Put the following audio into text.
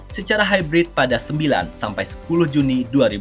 secara hybrid pada sembilan sampai sepuluh juni dua ribu dua puluh